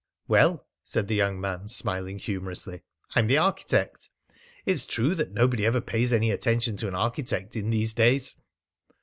"Well," said the young man, smiling humorously, "I'm the architect. It's true that nobody ever pays any attention to an architect in these days."